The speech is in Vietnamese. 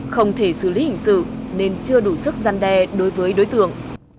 không thể xử lý hình sự nên chưa đủ sức gian đe đối với đối tượng